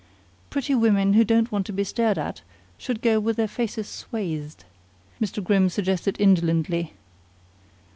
"Pretty women who don't want to be stared at should go with their faces swathed," Mr. Grimm suggested indolently.